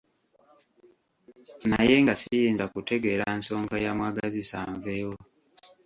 Naye nga siyinza kutegeera nsonga yamwagazisa nveewo.